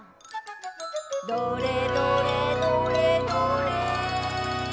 「どれどれどれどれ」